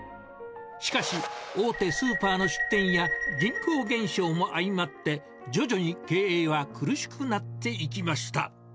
しかし、大手スーパーの出店や人口減少も相まって、徐々に経営は苦しくなっていきました。